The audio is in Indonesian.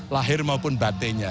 lahir maupun batinnya